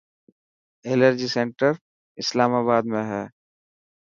ايلرجي سينٽر اسلامآباد ۾ هي.